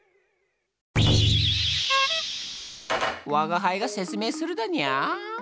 わがはいが説明するだにゃー。